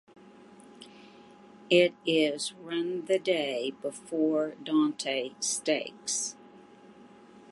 It is run the day before the Dante Stakes.